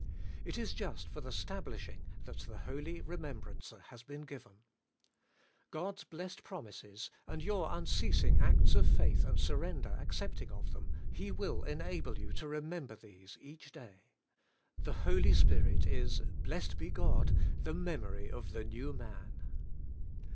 '* It is just for the stablishing that the Holy Eemem brancer has been given. God's blessed promises, and your unceasing acts of faith and surrender accepting of them, — He will enable you to remember these GOD HIMSELF WILL STABLISH YOU IN HIM. 99 each day. The Holy Spirit is— blessed be God — the memory of the new man.